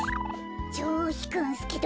ちょうひくんすけど。